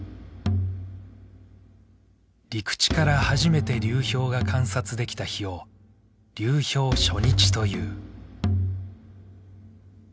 陸地から初めて流氷が観察できた日を「流氷初日」という。